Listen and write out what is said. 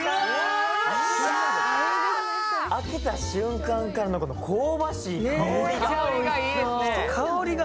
開けた瞬間から香ばしい香りが。